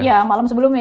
iya malam sebelumnya